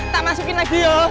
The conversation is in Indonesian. tak masukin lagi ya